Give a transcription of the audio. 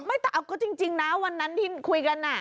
ไม่แต่เอาก็จริงนะวันนั้นที่คุยกัน